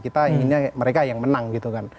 kita inginnya mereka yang menang gitu kan